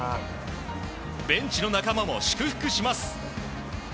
ベンチの仲間も祝福します。